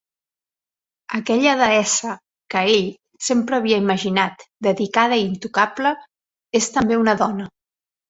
Aquella deessa que ell sempre havia imaginat dedicada i intocable és també una dona.